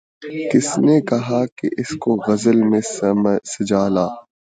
کس نے کہا کہ اس کو غزل میں سجا لا